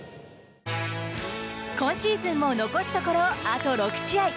今シーズンも残すところあと６試合。